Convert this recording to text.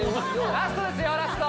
ラストです・ラスト